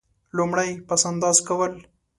لومړی: پس انداز کول.